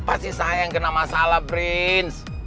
pasti saya yang kena masalah prince